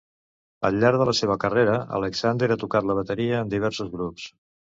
Al llarg de la seva carrera, Alexander ha tocat la bateria en diversos grups.